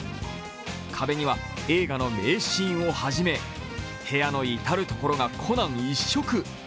壁には映画の名シーンをはじめ部屋の至るところがコナン一色。